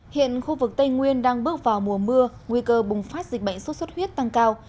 hiện khu vực tây nguyên đang bước vào mùa mưa nguy cơ bùng phát dịch bệnh sốt xuất huyết tăng cao